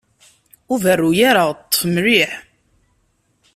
Ur berru ara! Ṭṭef mliḥ!